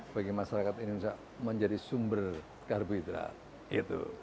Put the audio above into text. bagi masyarakat ini menjadi sumber karbohidrat